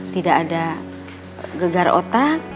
tidak ada gegar otak